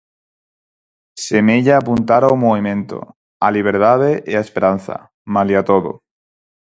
Semella apuntar ao movemento, a liberdade e a esperanza, malia todo.